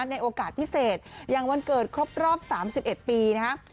ในโอกาสพิเศษอย่างวันเกิดครบรอบ๓๑ปีนะครับ